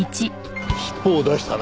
尻尾を出したな。